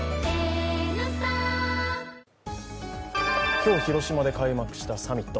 今日、広島で開幕したサミット。